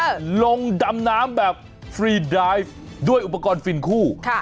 ลงดำน้ำแบบฟรีไดฟ์ด้วยอุปกรณ์ฟินคู่ค่ะ